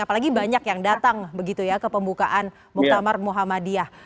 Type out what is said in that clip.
apalagi banyak yang datang begitu ya ke pembukaan muktamar muhammadiyah